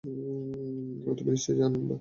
তুমি নিশ্চই যাবেনা।